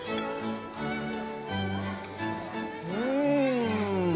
うん！